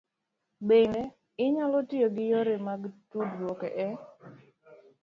Bende, inyalo tiyo gi yore mag tudruok e